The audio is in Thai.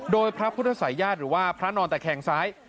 โดยพระพุทธศัยญาติหรือว่าพระนอนตะแคงซ้าย